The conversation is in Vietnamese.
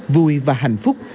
vui và hạnh phúc